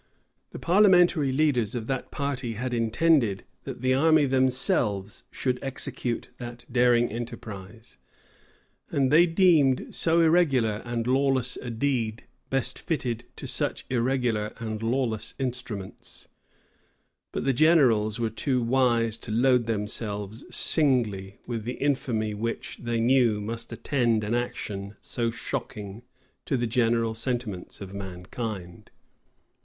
The parliamentary leaders of that party had intended, that the army themselves should execute that daring enterprise; and they deemed so irregular and lawless a deed best fitted to such irregular and lawless instruments.[] But the generals were too wise to load themselves singly with the infamy which, they knew, must attend an action so shocking to the general sentiments of mankind.